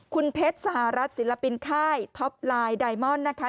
คุณเพชรสหรัฐศิลปินค่ายท็อปไลน์ไดมอนด์นะคะ